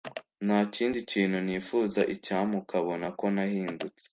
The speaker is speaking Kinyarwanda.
nta kindi kintu nifuza icyampa ukabona ko nahindutse